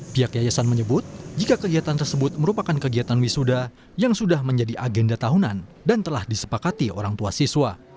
pihak yayasan menyebut jika kegiatan tersebut merupakan kegiatan wisuda yang sudah menjadi agenda tahunan dan telah disepakati orang tua siswa